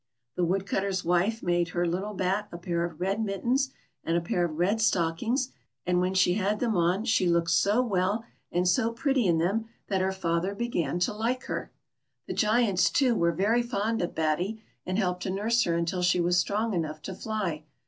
The Woodcutter's wife made her little bat a pair of red mittens and a pair of red stockings, and when she had them on, she looked so well and so pretty in them, 200 BATTY. that her father began to like her. The Giants, too, were very fond of Batty, and helped to nurse her until she was strong enough to fly.